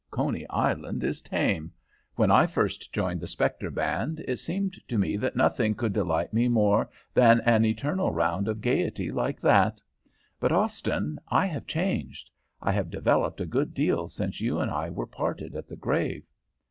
'Coney Island is tame. When I first joined the spectre band, it seemed to me that nothing could delight me more than an eternal round of gayety like that; but, Austin, I have changed. I have developed a good deal since you and I were parted at the grave.'